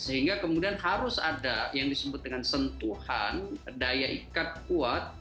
sehingga kemudian harus ada yang disebut dengan sentuhan daya ikat kuat